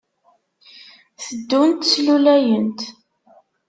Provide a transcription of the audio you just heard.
Teddunt slulayent.